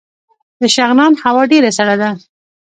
د شغنان هوا ډیره سړه ده